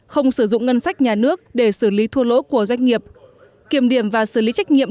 không sử dụng ngân sách nhà nước để xử lý thua lỗ của doanh nghiệp kiểm điểm và xử lý trách nhiệm